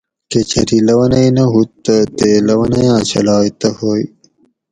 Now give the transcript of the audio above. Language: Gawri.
کہۤ چری لونئ نہ ھوت تہ تے لونئ آۤں چھلائ تہ ھوئ